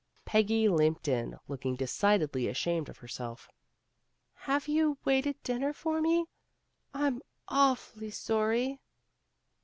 Peggy limped in, looking decidedly ashamed of herself. ''Have you waited dinner for me? I'm. awfully sorry.